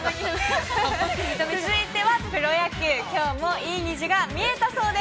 続いてはプロ野球、きょうもいい虹が見えたそうです。